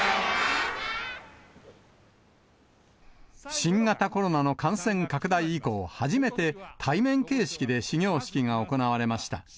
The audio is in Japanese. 新型コロナの感染拡大以降、初めて対面形式で始業式が行われました。